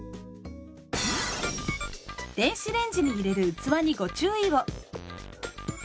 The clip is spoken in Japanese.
電子レンジに入れる器にご注意を！